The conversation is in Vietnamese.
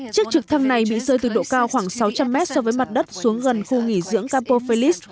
chiếc trực thăng này bị rơi từ độ cao khoảng sáu trăm linh mét so với mặt đất xuống gần khu nghỉ dưỡng capophelis